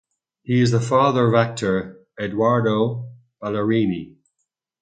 He is the father of actor Edoardo Ballerini.